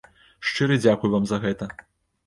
Шчыры дзякуй вам за гэта!